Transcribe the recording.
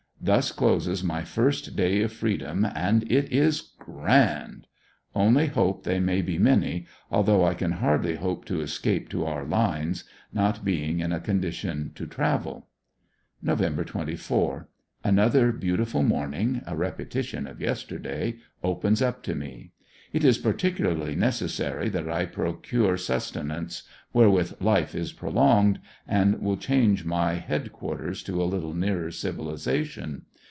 Thus closes my first day of freedom and it is grand. Only hope they may be many, although I can hardly hope to escape to our Imes, not being in a condition to travel. Nov. 24. — Another beautiful morning, a repetition of yesterday, opens up to me. It is particularly necessary that I procure suste nance wherewith life is prolonged, and will change my head quar ters to a little nearer civilization.